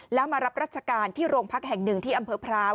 แล้วมารับรัชการที่โรงพักแห่งหนึ่งที่อำเภอพร้าว